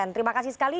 terima kasih sekali